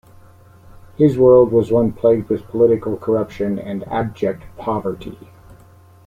His world was one plagued with political corruption and abject poverty.